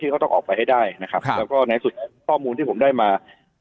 เขาต้องออกไปให้ได้นะครับแล้วก็ในสุดข้อมูลที่ผมได้มา